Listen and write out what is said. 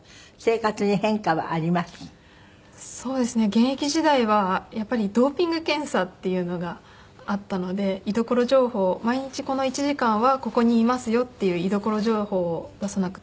現役時代はやっぱりドーピング検査っていうのがあったので居所情報を毎日この１時間はここにいますよっていう居所情報を出さなくてはいけなくて。